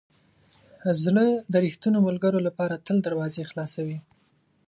زړه د ریښتینو ملګرو لپاره تل دروازې خلاصوي.